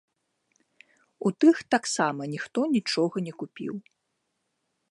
У тых таксама ніхто нічога не купіў.